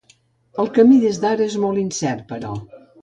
El camí des d’ara és molt incert, però.